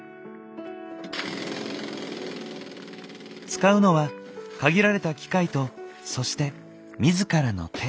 使うのは限られた機械とそして自らの手。